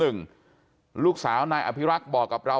ความปลอดภัยของนายอภิรักษ์และครอบครัวด้วยซ้ำ